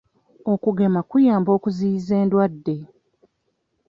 Okugema kuyamba okuziyiza endwadde.